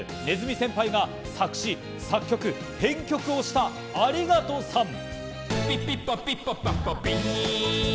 鼠先輩が作詞、作曲、編曲をした『ありがとさん』。